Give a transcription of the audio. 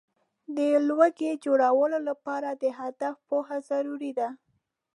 د لوګو جوړولو لپاره د هدف پوهه ضروري ده.